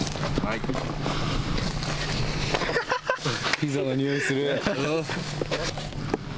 ピザの匂いする。